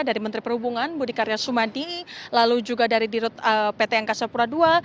dari menteri perhubungan budi karya sumadi lalu juga dari dirut pt angkasa pura ii